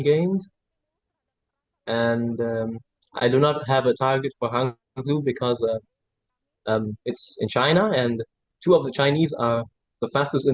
jadi mencapai medal di sana akan sangat sulit